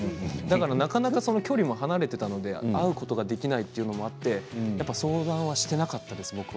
なかなか距離が離れていたので会うことができないということもあって僕は相談はしていなかったです。